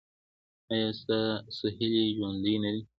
ایا ستاسو هیلې ژوندۍ نه دي؟